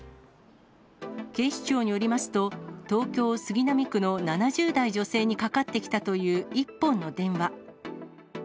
警視庁によりますと、東京・杉並区の７０代女性にかかってきたという一本の電話。